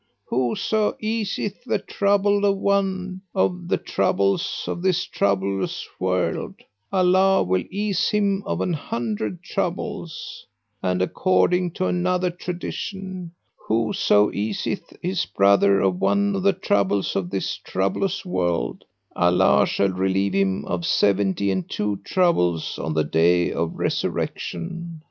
'Whoso easeth the troubled of one of the troubles of this troublous world, Allah will ease him of an hundred troubles'; and according to another tradition, 'Whoso easeth his brother of one of the troubles of this troublous world, Allah shall relieve him of seventy and two troubles on the Day of Resurrection.'